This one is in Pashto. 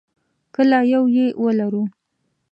کله یو یې ولرو.